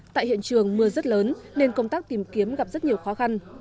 tại hiện trường mưa rất lớn nên công tác tìm kiếm gặp rất nhiều khó khăn